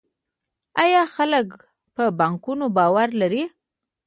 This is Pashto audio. آیا خلک په بانکونو باور لري؟